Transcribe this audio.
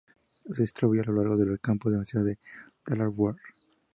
Se distribuye a lo largo del campus de la Universidad de Delaware.